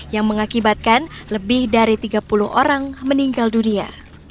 yang mengakibatkan lebih dari tiga puluh orang meninggal dunia